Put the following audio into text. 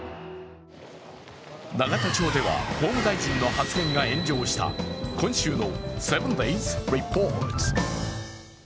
永田町では法務大臣の発言が炎上した今週の「７ｄａｙｓリポート」。